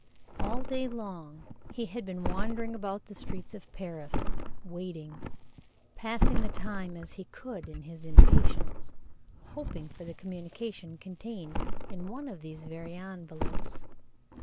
All day long he had been wandering about the streets of Paris, waiting passing the time as he could in his impatience hoping for the communication contained in one of these very envelopes.